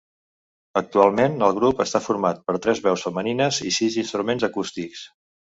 Actualment el grup està format per tres veus femenines i sis instruments acústics.